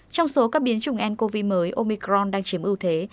trong số các biến chủng ncov mới omicron đang chiếm ưu thế